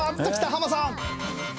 ハマさん。